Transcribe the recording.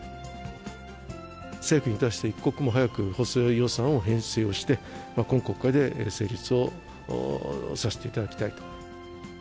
政府に対して、一刻も早く補正予算を編成をして、今国会で成立をさせていただきたいと。